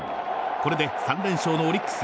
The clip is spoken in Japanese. これで３連勝のオリックス。